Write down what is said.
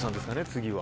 次は。